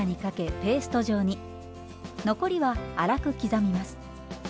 残りは粗く刻みます。